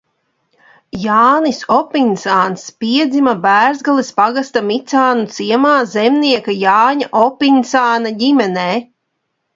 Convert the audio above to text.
Jānis Opincāns piedzima Bērzgales pagasta Micānu ciemā zemnieka Jāņa Opincāna ģimenē.